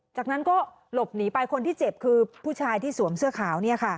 จากนั้นก็หลบหนีไปคนที่เจ็บคือผู้ชายที่สวมเสื้อขาว